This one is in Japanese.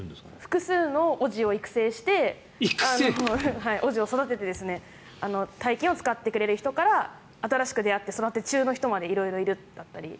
複数のおぢを育成しておぢを育てて大金を使ってくれる人から新しく出会って別の人も色々いるだったり。